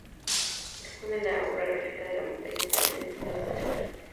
Expone la obra gráfica de "La Montaña Esmeralda" en "Filo" Espacio de Arte.